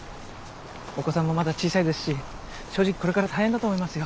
お子さんもまだ小さいですし正直これから大変だと思いますよ。